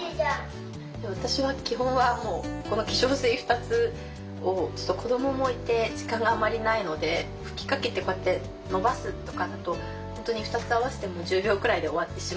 私は基本はこの化粧水２つを子どももいて時間があまりないので吹きかけてこうやって伸ばすとほんとに２つ合わせて１０秒くらいで終わってしまうんですけど